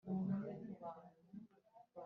Abahungu ba mama barandakariye cyane